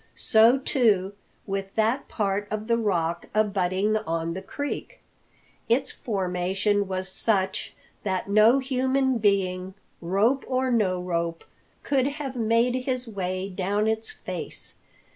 So, too, with that part of the Rock abutting on the creek; its formation was such that no human being, rope or no rope, could have made his way down its face.